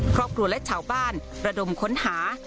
ครอบครัวและชาวบ้านระดมค้นหา